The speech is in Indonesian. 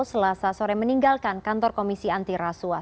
selasa sore meninggalkan kantor komisi anti rasuah